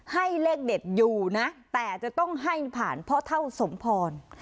ให้เลขเด็ดอยู่นะแต่จะต้องให้ผ่านพ่อเท่าสมพร